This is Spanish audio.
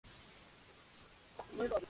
A la derecha se distingue un san Sebastián.